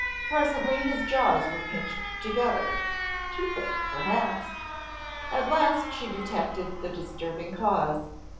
Presently his jaws were pinched together; toothache perhaps. At last she detected the disturbing cause.